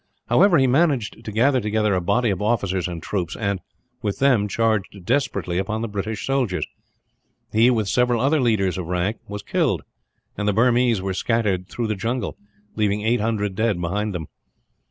However, he managed to gather together a body of officers and troops and, with them, charged desperately upon the British soldiers. He, with several other leaders of rank, was killed; and the Burmese were scattered through the jungle, leaving eight hundred dead behind them.